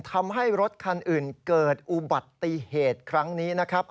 ทำให้รถคันอื่นเกิดอุบัติเหตุครั้งนี้นะครับ